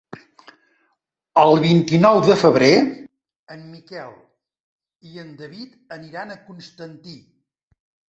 El vint-i-nou de febrer en Miquel i en David aniran a Constantí.